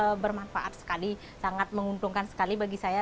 ini bermanfaat sekali sangat menguntungkan sekali bagi saya